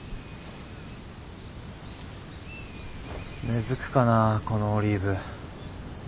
根づくかなこのオリーブ。